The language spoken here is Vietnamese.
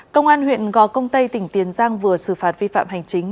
công an huyện gò công tây tỉnh tiền giang vừa xử phạt vi phạm hành chính